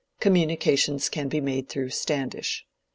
Communications can be made through Standish.